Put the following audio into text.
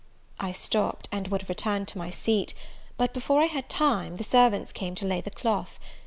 I stopped, and would have returned to my seat; but before I had time, the servants came to lay the cloth.